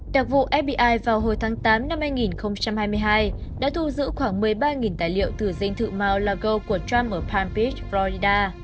đặc vụ fbi vào hồi tháng tám năm hai nghìn hai mươi hai đã thu giữ khoảng một mươi ba tài liệu từ danh thự mar a lago của trump ở palm beach florida